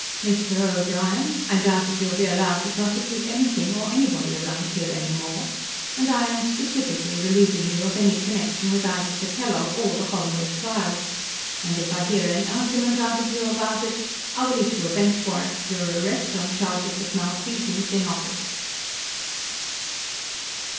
"Mr. O'Brien, I doubt if you'll be allowed to prosecute anything or anybody around here any more, and I am specifically relieving you of any connection with either the Kellogg or the Holloway trial, and if I hear any argument out of you about it, I will issue a bench warrant for your arrest on charges of malfeasance in office."